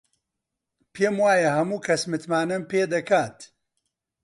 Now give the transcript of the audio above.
پێم وایە هەموو کەس متمانەم پێ دەکات.